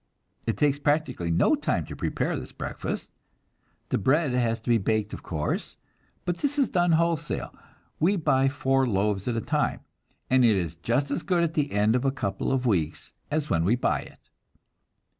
It takes practically no time to prepare this breakfast. The bread has to be baked, of course, but this is done wholesale; we buy four loaves at a time, and it is just as good at the end of a couple of weeks as when we buy it.